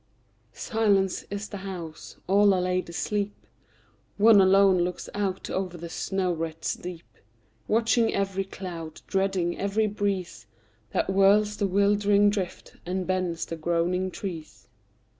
Silent is the house: all are laid asleep: One alone looks out o'er the snow wreaths deep, Watching every cloud, dreading every breeze That whirls the wildering drift, and bends the groaning trees.